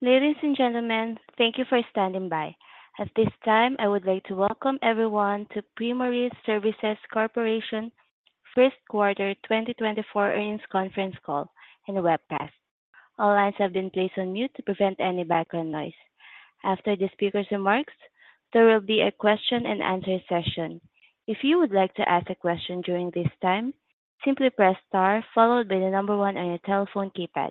Ladies and gentlemen, thank you for standing by. At this time, I would like to welcome everyone to Primoris Services Corporation First Quarter 2024 Earnings Conference Call and webcast. All lines have been placed on mute to prevent any background noise. After the speaker's remarks, there will be a question-and-answer session. If you would like to ask a question during this time, simply press star followed by the number one on your telephone keypad.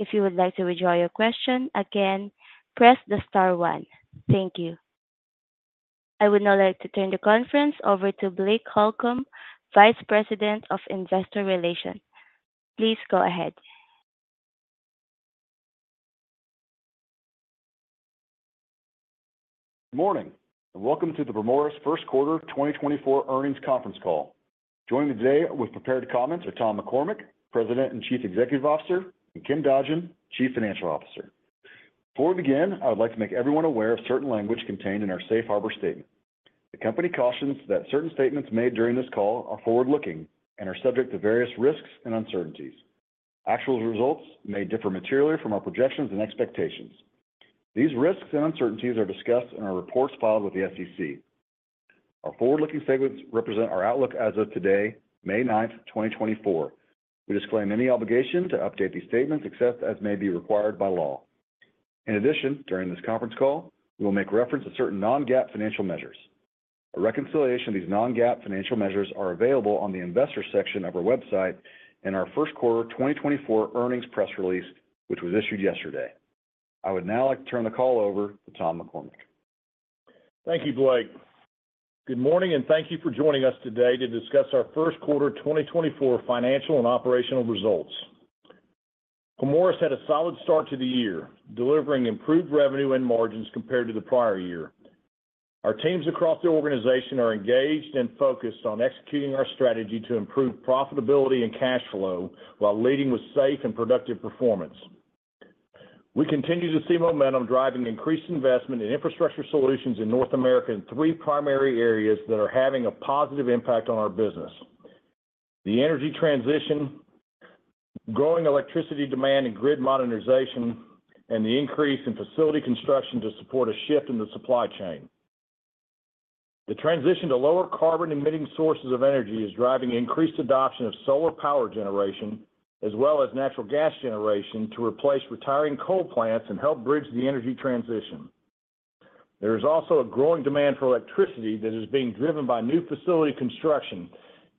If you would like to withdraw your question, again, press the star one. Thank you. I would now like to turn the conference over to Blake Holcomb, Vice President of Investor Relations. Please go ahead. Good morning and welcome to the Primoris First Quarter 2024 Earnings Conference Call. Joining me today with prepared comments are Tom McCormick, President and Chief Executive Officer, and Ken Dodgen, Chief Financial Officer. Before we begin, I would like to make everyone aware of certain language contained in our Safe Harbor Statement. The company cautions that certain statements made during this call are forward-looking and are subject to various risks and uncertainties. Actual results may differ materially from our projections and expectations. These risks and uncertainties are discussed in our reports filed with the SEC. Our forward-looking statements represent our outlook as of today, May 9, 2024. We disclaim any obligation to update these statements except as may be required by law. In addition, during this conference call, we will make reference to certain non-GAAP financial measures. A reconciliation of these non-GAAP financial measures is available on the Investors section of our website in our First Quarter 2024 Earnings Press Release, which was issued yesterday. I would now like to turn the call over to Tom McCormick. Thank you, Blake. Good morning and thank you for joining us today to discuss our First Quarter 2024 financial and operational results. Primoris had a solid start to the year, delivering improved revenue and margins compared to the prior year. Our teams across the organization are engaged and focused on executing our strategy to improve profitability and cash flow while leading with safe and productive performance. We continue to see momentum driving increased investment in infrastructure solutions in North America in three primary areas that are having a positive impact on our business: the energy transition, growing electricity demand and grid modernization, and the increase in facility construction to support a shift in the supply chain. The transition to lower carbon-emitting sources of energy is driving increased adoption of solar power generation as well as natural gas generation to replace retiring coal plants and help bridge the energy transition. There is also a growing demand for electricity that is being driven by new facility construction,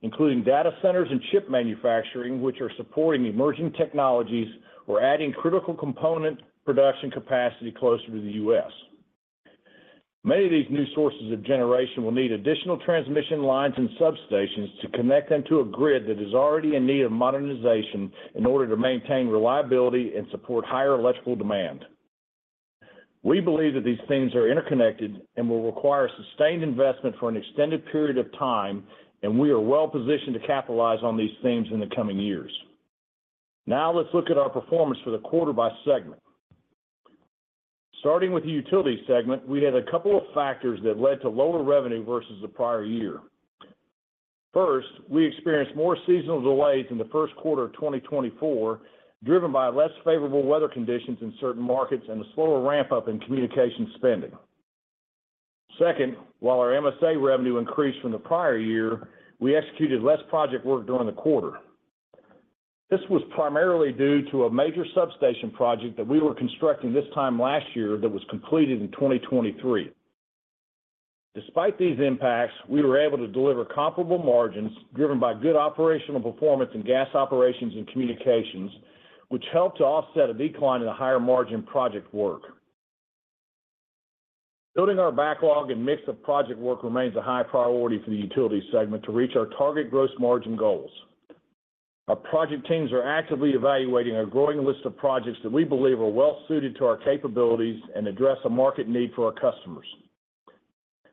including data centers and chip manufacturing, which are supporting emerging technologies or adding critical component production capacity closer to the U.S. Many of these new sources of generation will need additional transmission lines and substations to connect them to a grid that is already in need of modernization in order to maintain reliability and support higher electrical demand. We believe that these themes are interconnected and will require sustained investment for an extended period of time, and we are well-positioned to capitalize on these themes in the coming years. Now let's look at our performance for the quarter by segment. Starting with the utilities segment, we had a couple of factors that led to lower revenue versus the prior year. First, we experienced more seasonal delays in the first quarter of 2024, driven by less favorable weather conditions in certain markets and a slower ramp-up in communications spending. Second, while our MSA revenue increased from the prior year, we executed less project work during the quarter. This was primarily due to a major substation project that we were constructing this time last year that was completed in 2023. Despite these impacts, we were able to deliver comparable margins driven by good operational performance in gas operations and communications, which helped to offset a decline in the higher margin project work. Building our backlog and mix of project work remains a high priority for the utilities segment to reach our target gross margin goals. Our project teams are actively evaluating a growing list of projects that we believe are well-suited to our capabilities and address a market need for our customers.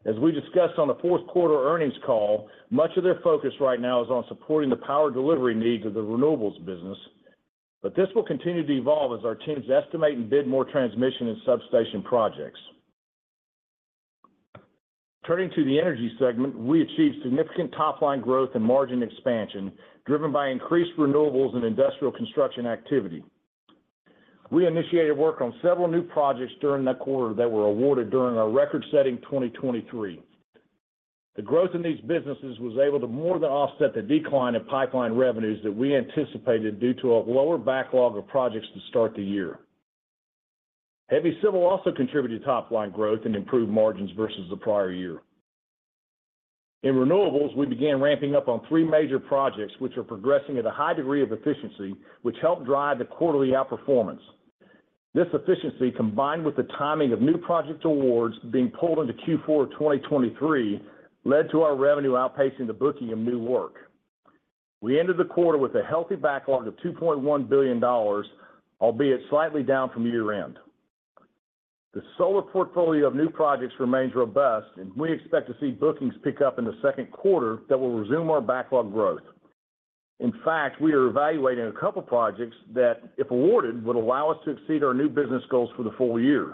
As we discussed on the Fourth Quarter Earnings Call, much of their focus right now is on supporting the power delivery needs of the renewables business, but this will continue to evolve as our teams estimate and bid more transmission and substation projects. Turning to the energy segment, we achieved significant top-line growth and margin expansion driven by increased renewables and industrial construction activity. We initiated work on several new projects during that quarter that were awarded during our record-setting 2023. The growth in these businesses was able to more than offset the decline in pipeline revenues that we anticipated due to a lower backlog of projects to start the year. Heavy civil also contributed to top-line growth and improved margins versus the prior year. In renewables, we began ramping up on three major projects, which are progressing at a high degree of efficiency, which helped drive the quarterly outperformance. This efficiency, combined with the timing of new project awards being pulled into Q4 of 2023, led to our revenue outpacing the booking of new work. We ended the quarter with a healthy backlog of $2.1 billion, albeit slightly down from year-end. The solar portfolio of new projects remains robust, and we expect to see bookings pick up in the second quarter that will resume our backlog growth. In fact, we are evaluating a couple of projects that, if awarded, would allow us to exceed our new business goals for the full year.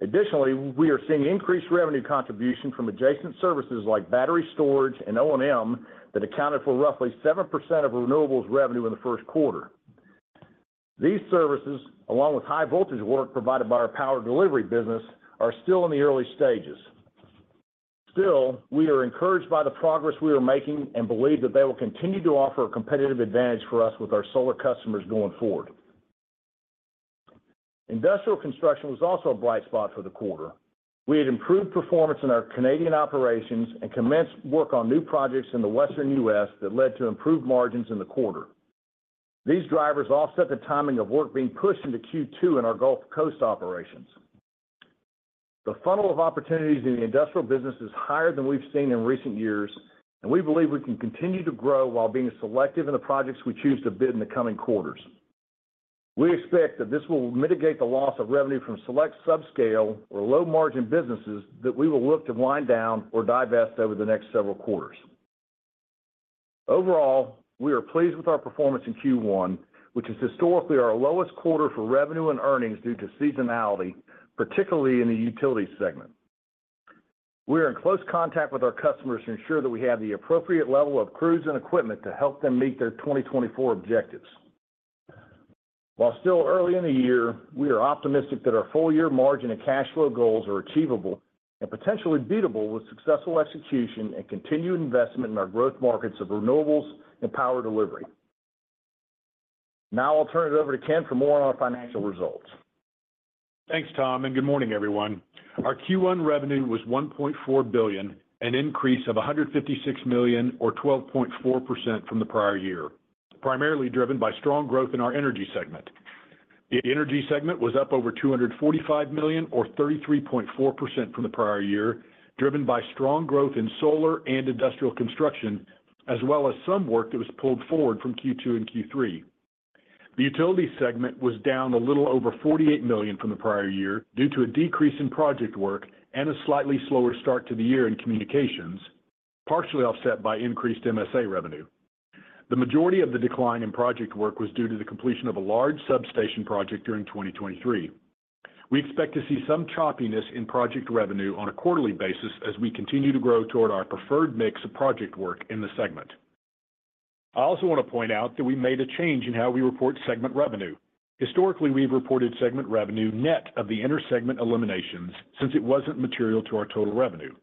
Additionally, we are seeing increased revenue contribution from adjacent services like battery storage and O&M that accounted for roughly 7% of renewables revenue in the first quarter. These services, along with high-voltage work provided by our power delivery business, are still in the early stages. Still, we are encouraged by the progress we are making and believe that they will continue to offer a competitive advantage for us with our solar customers going forward. Industrial construction was also a bright spot for the quarter. We had improved performance in our Canadian operations and commenced work on new projects in the Western U.S. that led to improved margins in the quarter. These drivers offset the timing of work being pushed into Q2 in our Gulf Coast operations. The funnel of opportunities in the industrial business is higher than we've seen in recent years, and we believe we can continue to grow while being selective in the projects we choose to bid in the coming quarters. We expect that this will mitigate the loss of revenue from select subscale or low-margin businesses that we will look to wind down or divest over the next several quarters. Overall, we are pleased with our performance in Q1, which is historically our lowest quarter for revenue and earnings due to seasonality, particularly in the utilities segment. We are in close contact with our customers to ensure that we have the appropriate level of crews and equipment to help them meet their 2024 objectives. While still early in the year, we are optimistic that our full-year margin and cash flow goals are achievable and potentially beatable with successful execution and continued investment in our growth markets of renewables and power delivery. Now I'll turn it over to Ken for more on our financial results. Thanks, Tom, and good morning, everyone. Our Q1 revenue was $1.4 billion, an increase of $156 million or 12.4% from the prior year, primarily driven by strong growth in our energy segment. The energy segment was up over $245 million or 33.4% from the prior year, driven by strong growth in solar and industrial construction, as well as some work that was pulled forward from Q2 and Q3. The utilities segment was down a little over $48 million from the prior year due to a decrease in project work and a slightly slower start to the year in communications, partially offset by increased MSA revenue. The majority of the decline in project work was due to the completion of a large substation project during 2023. We expect to see some choppiness in project revenue on a quarterly basis as we continue to grow toward our preferred mix of project work in the segment. I also want to point out that we made a change in how we report segment revenue. Historically, we've reported segment revenue net of the intersegment eliminations since it wasn't material to our total revenue.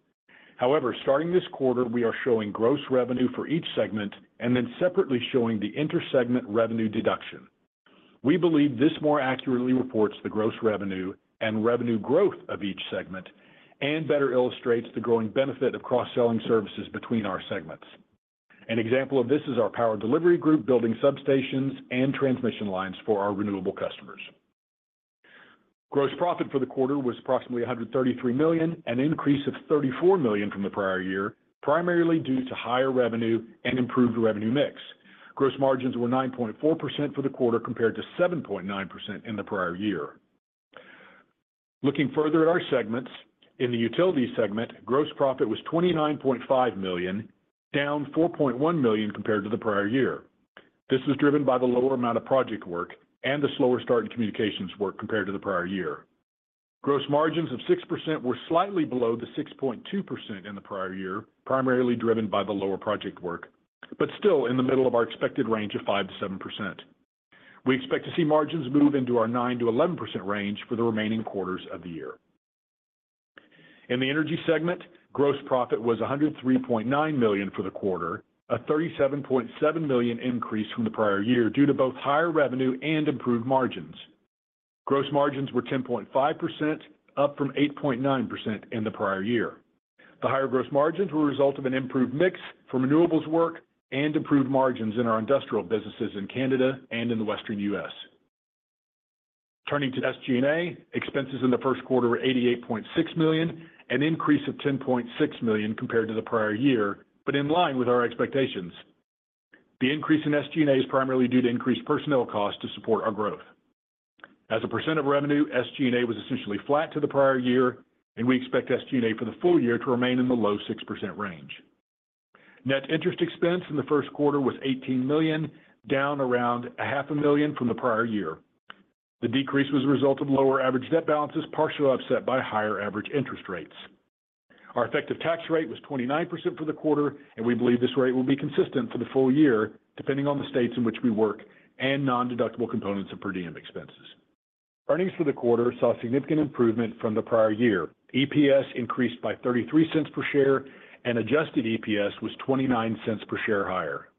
However, starting this quarter, we are showing gross revenue for each segment and then separately showing the intersegment revenue deduction. We believe this more accurately reports the gross revenue and revenue growth of each segment and better illustrates the growing benefit of cross-selling services between our segments. An example of this is our power delivery group building substations and transmission lines for our renewable customers. Gross profit for the quarter was approximately $133 million, an increase of $34 million from the prior year, primarily due to higher revenue and improved revenue mix. Gross margins were 9.4% for the quarter compared to 7.9% in the prior year. Looking further at our segments, in the utilities segment, gross profit was $29.5 million, down $4.1 million compared to the prior year. This was driven by the lower amount of project work and the slower start in communications work compared to the prior year. Gross margins of 6% were slightly below the 6.2% in the prior year, primarily driven by the lower project work, but still in the middle of our expected range of 5%-7%. We expect to see margins move into our 9%-11% range for the remaining quarters of the year. In the energy segment, gross profit was $103.9 million for the quarter, a $37.7 million increase from the prior year due to both higher revenue and improved margins. Gross margins were 10.5%, up from 8.9% in the prior year. The higher gross margins were a result of an improved mix for renewables work and improved margins in our industrial businesses in Canada and in the Western U.S.. Turning to SG&A, expenses in the first quarter were $88.6 million, an increase of $10.6 million compared to the prior year, but in line with our expectations. The increase in SG&A is primarily due to increased personnel costs to support our growth. As a % of revenue, SG&A was essentially flat to the prior year, and we expect SG&A for the full year to remain in the low 6% range. Net interest expense in the first quarter was $18 million, down around $500,000 from the prior year. The decrease was a result of lower average debt balances, partially offset by higher average interest rates. Our effective tax rate was 29% for the quarter, and we believe this rate will be consistent for the full year, depending on the states in which we work and non-deductible components of per diem expenses. Earnings for the quarter saw significant improvement from the prior year. EPS increased by $0.33 per share, and adjusted EPS was $0.29 per share higher.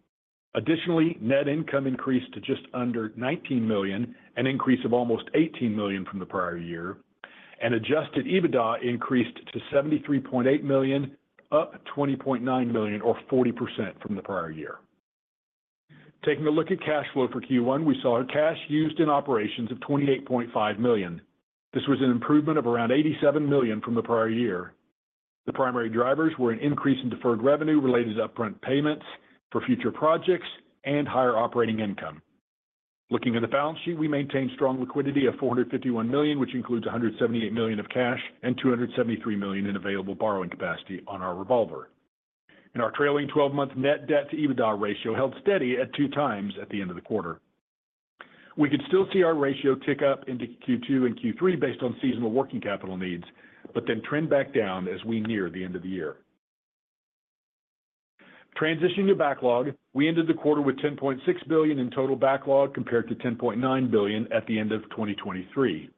Additionally, net income increased to just under $19 million, an increase of almost $18 million from the prior year, and adjusted EBITDA increased to $73.8 million, up $20.9 million or 40% from the prior year. Taking a look at cash flow for Q1, we saw cash used in operations of $28.5 million. This was an improvement of around $87 million from the prior year. The primary drivers were an increase in deferred revenue related to upfront payments for future projects and higher operating income. Looking at the balance sheet, we maintained strong liquidity of $451 million, which includes $178 million of cash and $273 million in available borrowing capacity on our revolver. Our trailing 12-month net debt to EBITDA ratio held steady at 2x at the end of the quarter. We could still see our ratio tick up into Q2 and Q3 based on seasonal working capital needs, but then trend back down as we near the end of the year. Transitioning to backlog, we ended the quarter with $10.6 billion in total backlog compared to $10.9 billion at the end of 2023.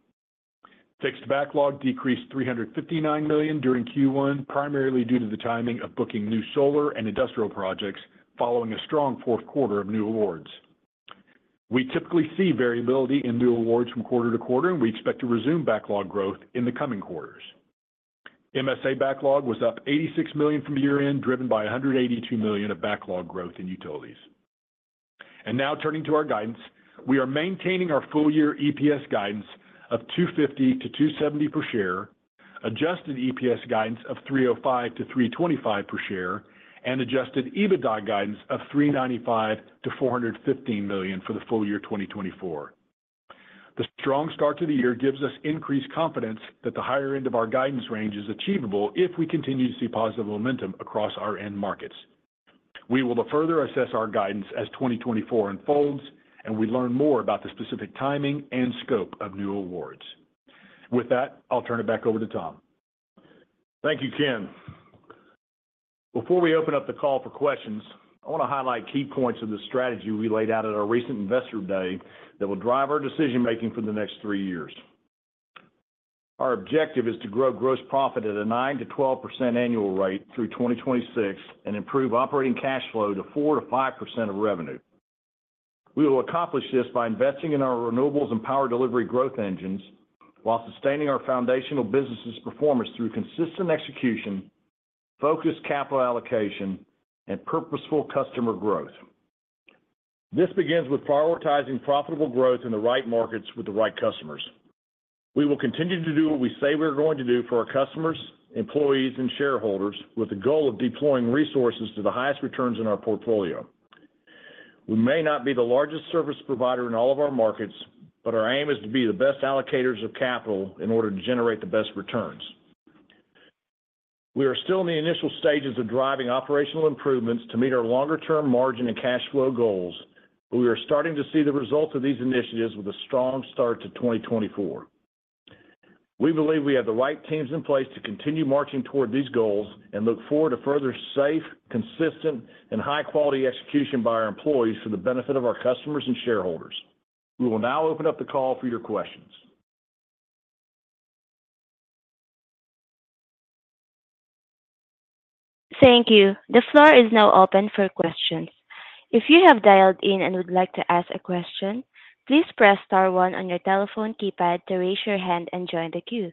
Fixed backlog decreased $359 million during Q1, primarily due to the timing of booking new solar and industrial projects following a strong fourth quarter of new awards. We typically see variability in new awards from quarter to quarter, and we expect to resume backlog growth in the coming quarters. MSA backlog was up $86 million from year-end, driven by $182 million of backlog growth in utilities. Now turning to our guidance, we are maintaining our full-year EPS guidance of $250-$270 per share, adjusted EPS guidance of $305-$325 per share, and adjusted EBITDA guidance of $395 million-$415 million for the full year 2024. The strong start to the year gives us increased confidence that the higher end of our guidance range is achievable if we continue to see positive momentum across our end markets. We will further assess our guidance as 2024 unfolds, and we learn more about the specific timing and scope of new awards. With that, I'll turn it back over to Tom. Thank you, Ken. Before we open up the call for questions, I want to highlight key points of the strategy we laid out at our recent Investor Day that will drive our decision-making for the next three years. Our objective is to grow gross profit at a 9%-12% annual rate through 2026 and improve operating cash flow to 4%-5% of revenue. We will accomplish this by investing in our renewables and power delivery growth engines while sustaining our foundational business's performance through consistent execution, focused capital allocation, and purposeful customer growth. This begins with prioritizing profitable growth in the right markets with the right customers. We will continue to do what we say we're going to do for our customers, employees, and shareholders with the goal of deploying resources to the highest returns in our portfolio. We may not be the largest service provider in all of our markets, but our aim is to be the best allocators of capital in order to generate the best returns. We are still in the initial stages of driving operational improvements to meet our longer-term margin and cash flow goals, but we are starting to see the results of these initiatives with a strong start to 2024. We believe we have the right teams in place to continue marching toward these goals and look forward to further safe, consistent, and high-quality execution by our employees for the benefit of our customers and shareholders. We will now open up the call for your questions. Thank you. The floor is now open for questions. If you have dialed in and would like to ask a question, please press star one on your telephone keypad to raise your hand and join the queue.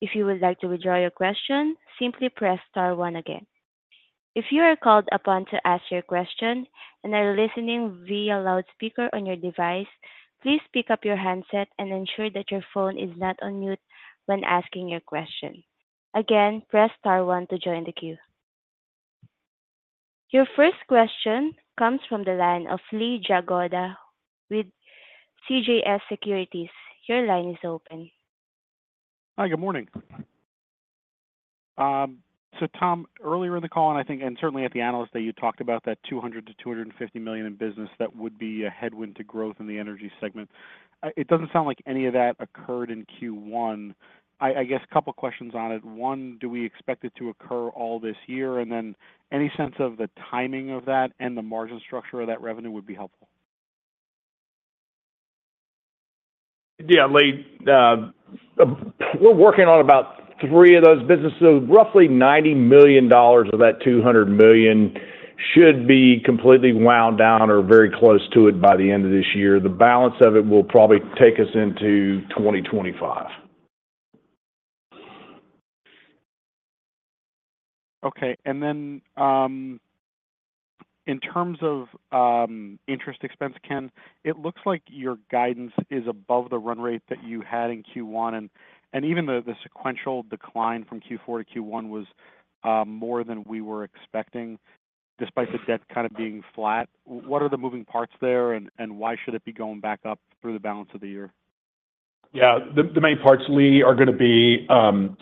If you would like to withdraw your question, simply press star one again. If you are called upon to ask your question and are listening via loudspeaker on your device, please pick up your handset and ensure that your phone is not on mute when asking your question. Again, press star one to join the queue. Your first question comes from the line of Lee Jagoda with CJS Securities. Your line is open. Hi, good morning. So, Tom, earlier in the call, and I think and certainly at the analyst day, you talked about that $200 million-$250 million in business that would be a headwind to growth in the energy segment. It doesn't sound like any of that occurred in Q1. I guess a couple of questions on it. One, do we expect it to occur all this year? And then any sense of the timing of that and the margin structure of that revenue would be helpful. Yeah, Lee. We're working on about three of those businesses. Roughly $90 million of that $200 million should be completely wound down or very close to it by the end of this year. The balance of it will probably take us into 2025. Okay. And then in terms of interest expense, Ken, it looks like your guidance is above the run rate that you had in Q1, and even the sequential decline from Q4 to Q1 was more than we were expecting despite the debt kind of being flat. What are the moving parts there, and why should it be going back up through the balance of the year? Yeah, the main parts, Lee, are going to be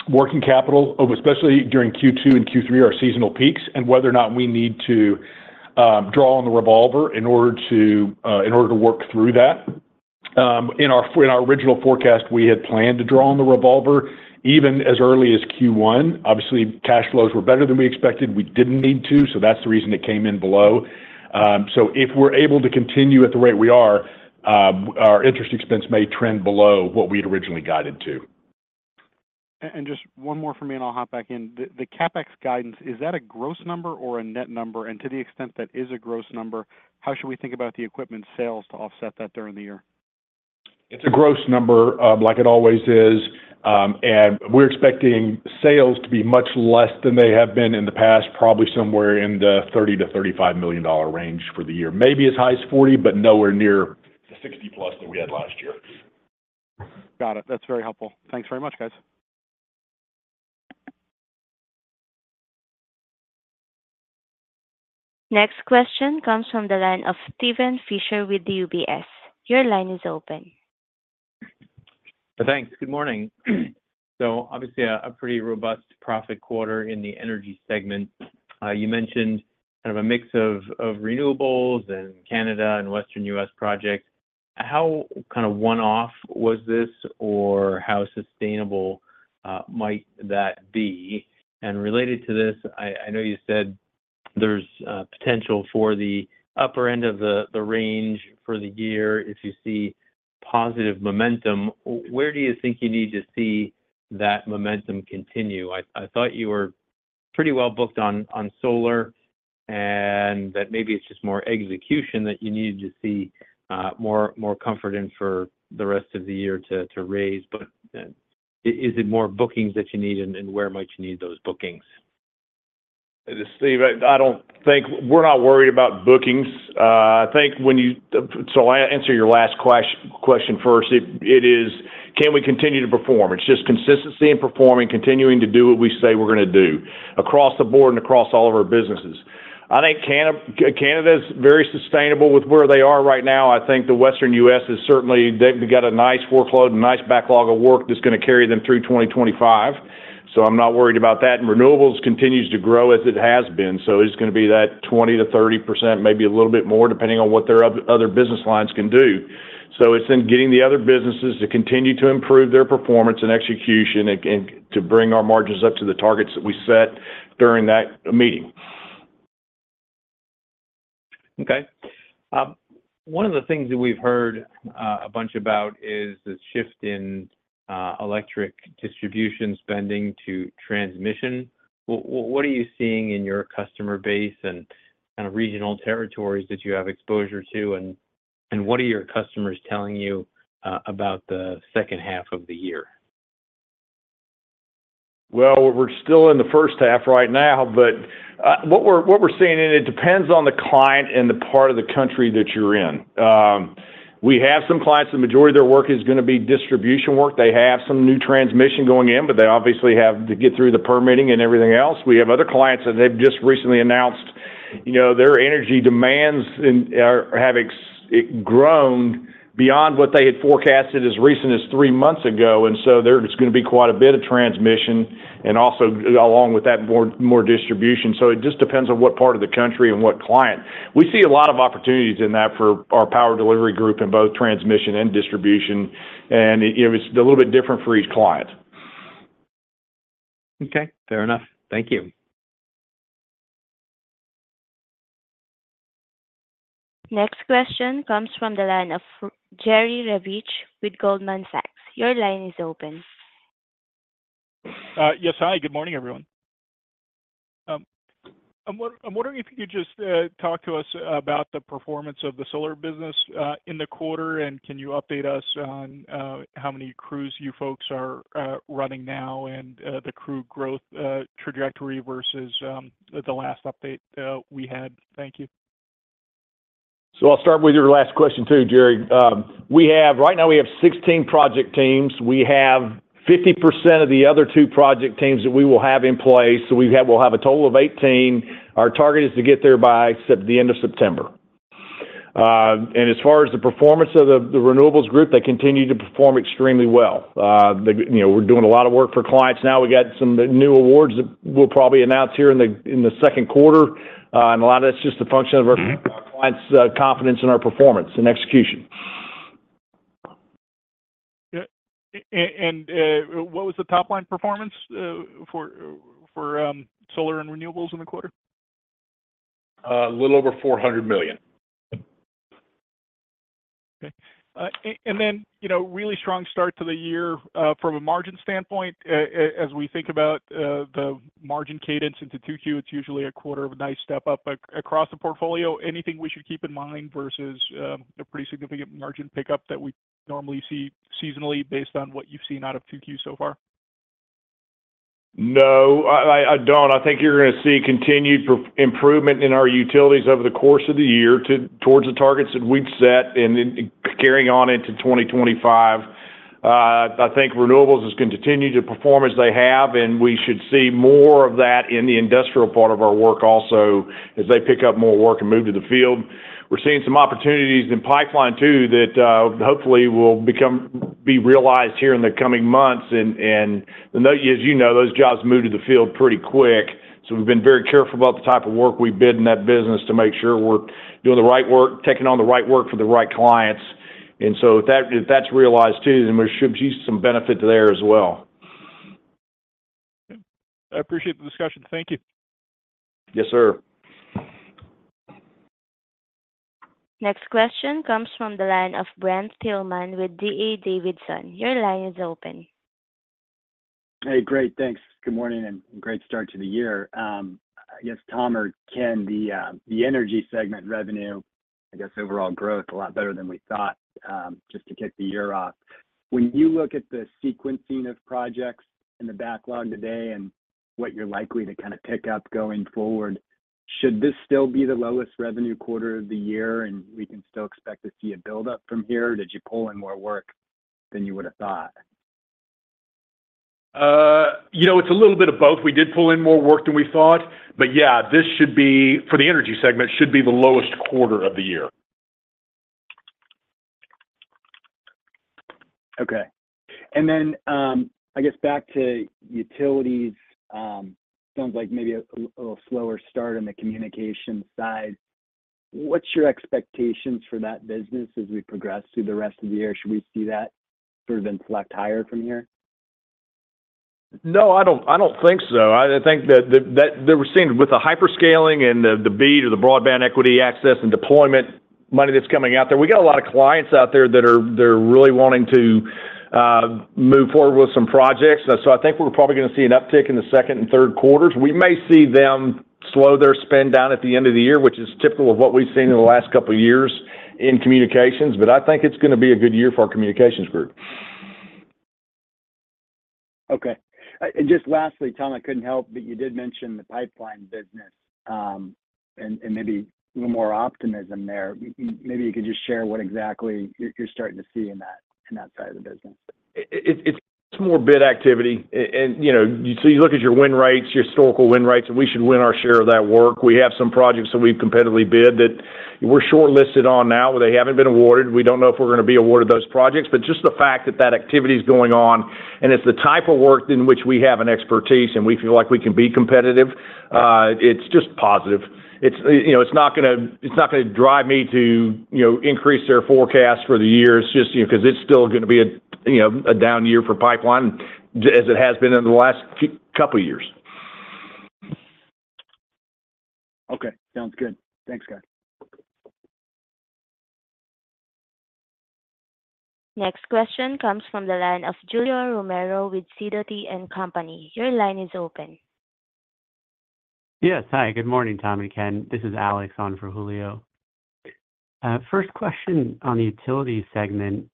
working capital, especially during Q2 and Q3, our seasonal peaks, and whether or not we need to draw on the revolver in order to work through that. In our original forecast, we had planned to draw on the revolver even as early as Q1. Obviously, cash flows were better than we expected. We didn't need to, so that's the reason it came in below. So if we're able to continue at the rate we are, our interest expense may trend below what we had originally guided to. Just one more for me, and I'll hop back in. The CapEx guidance, is that a gross number or a net number? To the extent that is a gross number, how should we think about the equipment sales to offset that during the year? It's a gross number like it always is. We're expecting sales to be much less than they have been in the past, probably somewhere in the $30 million-$35 million range for the year. Maybe as high as $40 million, but nowhere near the $60+ million that we had last year. Got it. That's very helpful. Thanks very much, guys. Next question comes from the line of Steven Fisher with the UBS. Your line is open. Thanks. Good morning. So obviously, a pretty robust profitable quarter in the energy segment. You mentioned kind of a mix of renewables and Canada and Western U.S. projects. How kind of one-off was this, or how sustainable might that be? And related to this, I know you said there's potential for the upper end of the range for the year if you see positive momentum. Where do you think you need to see that momentum continue? I thought you were pretty well booked on solar and that maybe it's just more execution that you needed to see more comfort in for the rest of the year to raise. But is it more bookings that you need, and where might you need those bookings? Lee, right, I don't think we're not worried about bookings. I think I'll answer your last question first. It is, can we continue to perform? It's just consistency in performing, continuing to do what we say we're going to do across the board and across all of our businesses. I think Canada is very sustainable with where they are right now. I think the Western U.S. is certainly they've got a nice workload, a nice backlog of work that's going to carry them through 2025. So I'm not worried about that. Renewables continues to grow as it has been. So it's going to be that 20%-30%, maybe a little bit more depending on what their other business lines can do. It's then getting the other businesses to continue to improve their performance and execution and to bring our margins up to the targets that we set during that meeting. Okay. One of the things that we've heard a bunch about is the shift in electric distribution spending to transmission. What are you seeing in your customer base and kind of regional territories that you have exposure to? And what are your customers telling you about the second half of the year? Well, we're still in the first half right now, but what we're seeing in it depends on the client and the part of the country that you're in. We have some clients. The majority of their work is going to be distribution work. They have some new transmission going in, but they obviously have to get through the permitting and everything else. We have other clients that they've just recently announced their energy demands have grown beyond what they had forecasted as recent as three months ago. And so there's going to be quite a bit of transmission and also along with that, more distribution. So it just depends on what part of the country and what client. We see a lot of opportunities in that for our power delivery group in both transmission and distribution. And it's a little bit different for each client. Okay. Fair enough. Thank you. Next question comes from the line of Jerry Revich with Goldman Sachs. Your line is open. Yes, hi. Good morning, everyone. I'm wondering if you could just talk to us about the performance of the solar business in the quarter, and can you update us on how many crews you folks are running now and the crew growth trajectory versus the last update we had? Thank you. So I'll start with your last question too, Jerry. Right now, we have 16 project teams. We have 50% of the other two project teams that we will have in place. So we'll have a total of 18. Our target is to get there by the end of September. And as far as the performance of the renewables group, they continue to perform extremely well. We're doing a lot of work for clients now. We got some new awards that we'll probably announce here in the second quarter. And a lot of that's just a function of our clients' confidence in our performance and execution. What was the top-line performance for solar and renewables in the quarter? A little over $400 million. Okay. And then really strong start to the year from a margin standpoint. As we think about the margin cadence into 2Q, it's usually a quarter of a nice step up across the portfolio. Anything we should keep in mind versus a pretty significant margin pickup that we normally see seasonally based on what you've seen out of 2Q so far? No, I don't. I think you're going to see continued improvement in our utilities over the course of the year towards the targets that we'd set and carrying on into 2025. I think renewables is going to continue to perform as they have, and we should see more of that in the industrial part of our work also as they pick up more work and move to the field. We're seeing some opportunities in pipeline too that hopefully will be realized here in the coming months. And as you know, those jobs move to the field pretty quick. So we've been very careful about the type of work we bid in that business to make sure we're doing the right work, taking on the right work for the right clients. And so if that's realized too, then we should see some benefit there as well. I appreciate the discussion. Thank you. Yes, sir. Next question comes from the line of Brent Thielman with D.A. Davidson. Your line is open. Hey, great. Thanks. Good morning and great start to the year. I guess, Tom or Ken, the energy segment revenue, I guess, overall growth a lot better than we thought just to kick the year off. When you look at the sequencing of projects in the backlog today and what you're likely to kind of pick up going forward, should this still be the lowest revenue quarter of the year, and we can still expect to see a buildup from here, or did you pull in more work than you would have thought? It's a little bit of both. We did pull in more work than we thought. But yeah, for the energy segment, it should be the lowest quarter of the year. Okay. And then I guess back to utilities, sounds like maybe a little slower start on the communication side. What's your expectations for that business as we progress through the rest of the year? Should we see that sort of inflect higher from here? No, I don't think so. I think that we're seeing with the hyperscaling and the BEAD or the Broadband Equity, Access, and Deployment money that's coming out there, we got a lot of clients out there that are really wanting to move forward with some projects. So I think we're probably going to see an uptick in the second and third quarters. We may see them slow their spend down at the end of the year, which is typical of what we've seen in the last couple of years in communications. But I think it's going to be a good year for our communications group. Okay. And just lastly, Tom, I couldn't help but you did mention the pipeline business and maybe a little more optimism there. Maybe you could just share what exactly you're starting to see in that side of the business. It's more bid activity. So you look at your win rates, your historical win rates, and we should win our share of that work. We have some projects that we've competitively bid that we're shortlisted on now where they haven't been awarded. We don't know if we're going to be awarded those projects. But just the fact that that activity is going on and it's the type of work in which we have an expertise and we feel like we can be competitive, it's just positive. It's not going to drive me to increase their forecast for the year just because it's still going to be a down year for pipeline as it has been in the last couple of years. Okay. Sounds good. Thanks, guys. Next question comes from the line of Julio Romero with Sidoti & Company. Your line is open. Yes, hi. Good morning, Tom and Ken. This is Alex on for Julio. First question on the utility segment,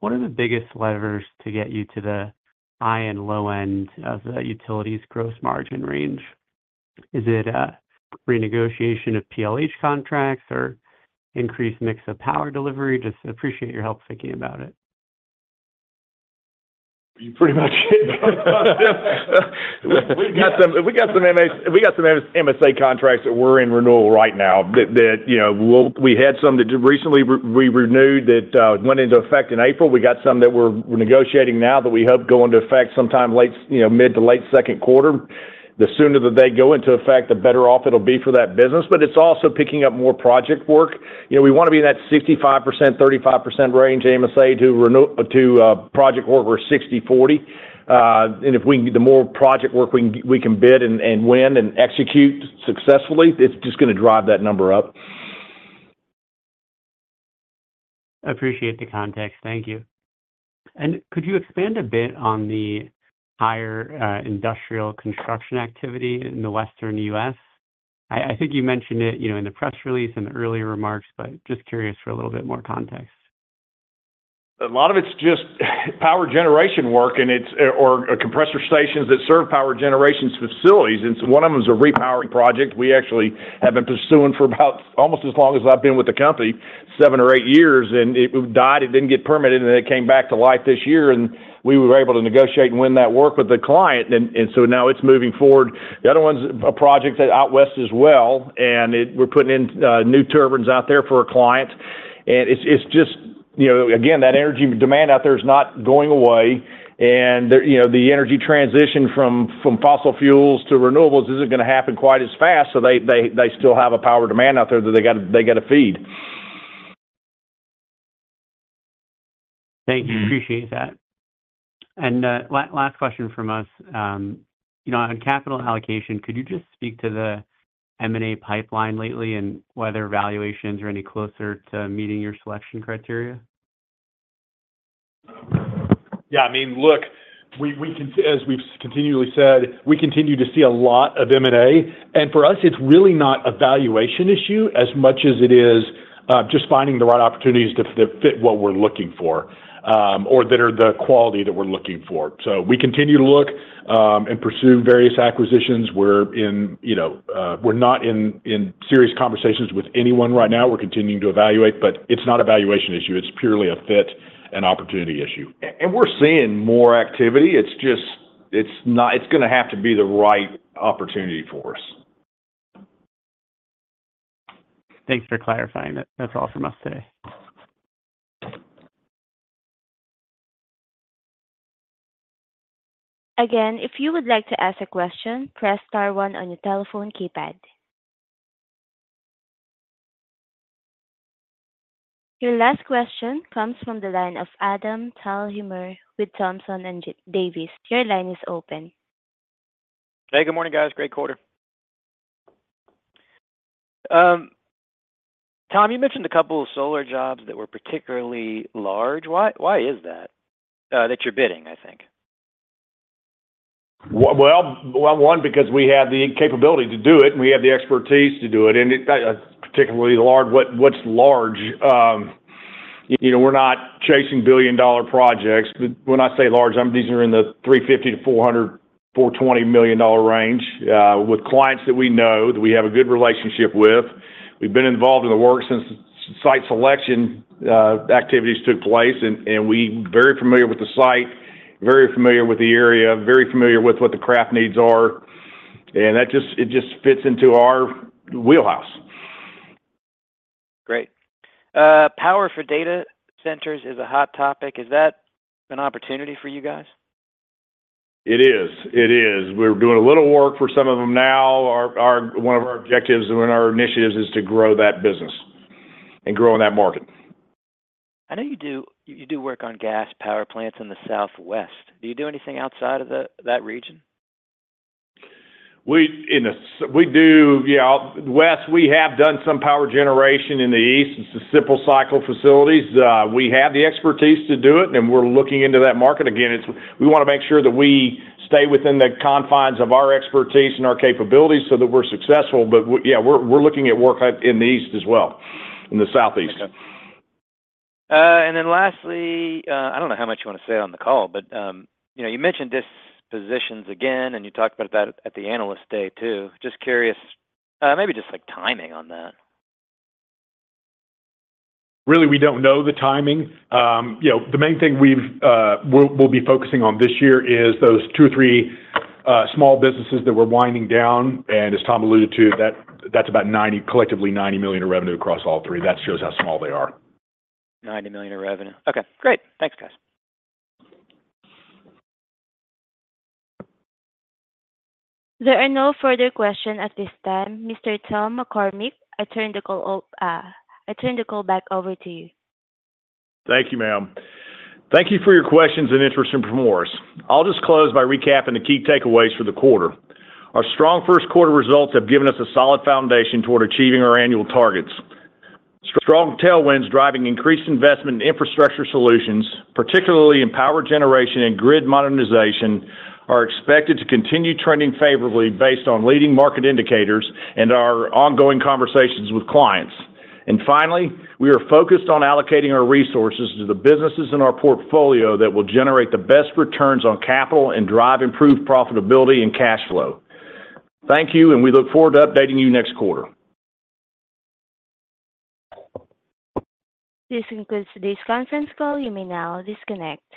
what are the biggest levers to get you to the high and low end of the utilities gross margin range? Is it renegotiation of PLH contracts or increased mix of power delivery? Just appreciate your help thinking about it. You pretty much hit both of them. We got some MSA contracts that were in renewal right now that we had some that recently we renewed that went into effect in April. We got some that we're negotiating now that we hope go into effect sometime mid to late second quarter. The sooner that they go into effect, the better off it'll be for that business. But it's also picking up more project work. We want to be in that 65%-35% range MSA to project work where it's 60/40. And the more project work we can bid and win and execute successfully, it's just going to drive that number up. I appreciate the context. Thank you. Could you expand a bit on the higher industrial construction activity in the Western U.S.? I think you mentioned it in the press release and the earlier remarks, but just curious for a little bit more context. A lot of it's just power generation work or compressor stations that serve power generation facilities. And one of them is a repowering project we actually have been pursuing for almost as long as I've been with the company, seven or eight years. And it died. It didn't get permitted, and then it came back to life this year. And we were able to negotiate and win that work with the client. And so now it's moving forward. The other one's a project out west as well, and we're putting in new turbines out there for a client. And it's just, again, that energy demand out there is not going away. And the energy transition from fossil fuels to renewables isn't going to happen quite as fast. So they still have a power demand out there that they got to feed. Thank you. Appreciate that. Last question from us. On capital allocation, could you just speak to the M&A pipeline lately and whether valuations are any closer to meeting your selection criteria? Yeah. I mean, look, as we've continually said, we continue to see a lot of M&A. And for us, it's really not a valuation issue as much as it is just finding the right opportunities that fit what we're looking for or that are the quality that we're looking for. So we continue to look and pursue various acquisitions. We're not in serious conversations with anyone right now. We're continuing to evaluate, but it's not a valuation issue. It's purely a fit and opportunity issue. We're seeing more activity. It's going to have to be the right opportunity for us. Thanks for clarifying it. That's all from us today. Again, if you would like to ask a question, press star one on your telephone keypad. Your last question comes from the line of Adam Thalhimer with Thompson Davis. Your line is open. Hey, good morning, guys. Great quarter. Tom, you mentioned a couple of solar jobs that were particularly large. Why is that that you're bidding, I think? Well, one, because we have the capability to do it, and we have the expertise to do it, and particularly what's large. We're not chasing billion-dollar projects. But when I say large, these are in the $350 million-$400 million, $420 million-dollar range with clients that we know that we have a good relationship with. We've been involved in the work since site selection activities took place. And we're very familiar with the site, very familiar with the area, very familiar with what the craft needs are. And it just fits into our wheelhouse. Great. Power for data centers is a hot topic. Is that an opportunity for you guys? It is. It is. We're doing a little work for some of them now. One of our objectives and our initiatives is to grow that business and grow in that market. I know you do work on gas power plants in the Southwest. Do you do anything outside of that region? We do. Yeah, west, we have done some power generation in the east and some simple-cycle facilities. We have the expertise to do it, and we're looking into that market. Again, we want to make sure that we stay within the confines of our expertise and our capabilities so that we're successful. But yeah, we're looking at work in the east as well, in the southeast. Okay. Then lastly, I don't know how much you want to say on the call, but you mentioned dispositions again, and you talked about that at the analyst day too. Just curious, maybe just timing on that. Really, we don't know the timing. The main thing we'll be focusing on this year is those two or three small businesses that we're winding down. As Tom alluded to, that's about collectively $90 million of revenue across all three. That shows how small they are. $90 million of revenue. Okay. Great. Thanks, guys. There are no further questions at this time. Mr. Tom McCormick, I turn the call back over to you. Thank you, ma'am. Thank you for your questions and interest in Primoris. I'll just close by recapping the key takeaways for the quarter. Our strong first quarter results have given us a solid foundation toward achieving our annual targets. Strong tailwinds driving increased investment in infrastructure solutions, particularly in power generation and grid modernization, are expected to continue trending favorably based on leading market indicators and our ongoing conversations with clients. Finally, we are focused on allocating our resources to the businesses in our portfolio that will generate the best returns on capital and drive improved profitability and cash flow. Thank you, and we look forward to updating you next quarter. This concludes today's conference call. You may now disconnect.